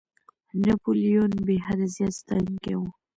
ناپولیون بېحده زیات ستایونکی وو.